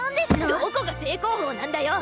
どこが正攻法なんだよ！